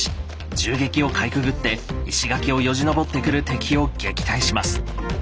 銃撃をかいくぐって石垣をよじ登ってくる敵を撃退します。